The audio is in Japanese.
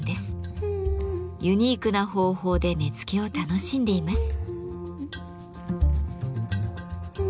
ユニークな方法で根付を楽しんでいます。